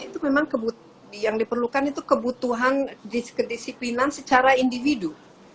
itu memang yang diperlukan itu kebutuhan kedisiplinan secara individu